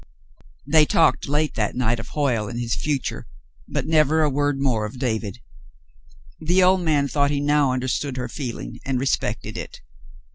They talked late that night of Hoyle and his future, but never a word more of David, The old man thought he now understood her feeling, and respected it.